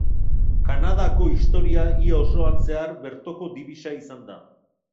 Kanadako historia ia osoan zehar bertoko dibisa izan da.